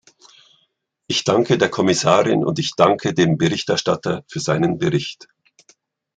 Ich danke der Kommissarin und ich danke dem Berichterstatter für seinen Bericht.